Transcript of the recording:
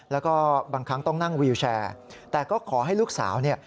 แล้วก็บางครั้งต้องนั่งวิวแชร์แต่ก็ขอให้ลูกสาวเนี่ย